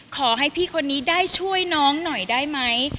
ขอให้พี่คนนี้ได้ช่วยน้องหน่อยได้ไหม